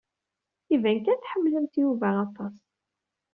Iban kan tḥemmlemt Yuba aṭas.